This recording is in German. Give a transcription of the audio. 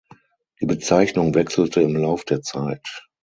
Die Bezeichnung wechselte im Lauf der Zeit.